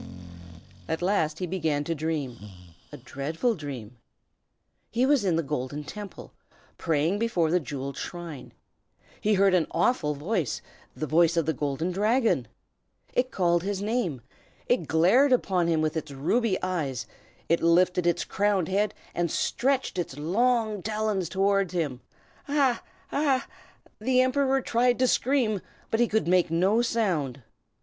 At last he began to dream, a dreadful dream. He was in the Golden Temple, praying before the Jewelled Shrine. He heard an awful voice, the voice of the Golden Dragon. It called his name; it glared upon him with its ruby eyes; it lifted its crowned head, and stretched its long talons toward him. Ah! ah! The Emperor tried to scream, but he could make no sound.